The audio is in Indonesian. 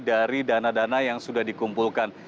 dari dana dana yang sudah dikumpulkan